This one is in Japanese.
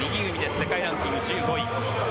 世界ランキング１５位。